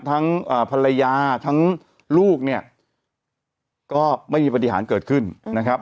ทั้งภรรยาทั้งลูกเนี่ยก็ไม่มีปฏิหารเกิดขึ้นนะครับ